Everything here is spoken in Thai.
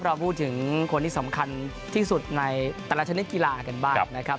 เราพูดถึงคนที่สำคัญที่สุดในแต่ละชนิดกีฬากันบ้างนะครับ